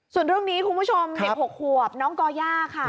ส่วนเรื่องนี้คุณผู้ชมเด็ก๖ขวบน้องก่อย่าค่ะ